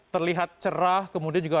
terlihat cerah kemudian juga